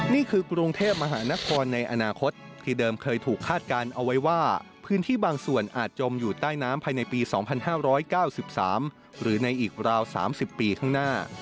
นี่คือกรุงเทพมหานครในอนาคตที่เดิมเคยถูกคาดการณ์เอาไว้ว่าพื้นที่บางส่วนอาจจมอยู่ใต้น้ำภายในปีสองพันห้าร้อยเก้าสิบสามหรือในอีกราวสามสิบปีข้างหน้า